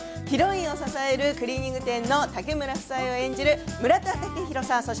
ヒロインを支えるクリーニング店の竹村夫妻を演じる、村田雄浩さん